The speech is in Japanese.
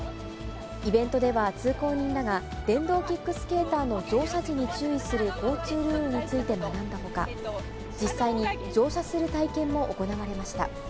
イベントでは通行人らが、電動キックスケーターの乗車時に注意する交通ルールについて学んだほか、実際に乗車する体験も行われました。